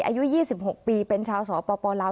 อายุ๒๖ปีเป็นชาวสปลาว